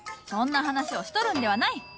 そんな話をしとるんではない！